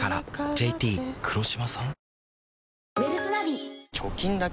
ＪＴ黒島さん？